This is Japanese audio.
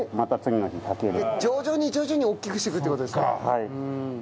はい。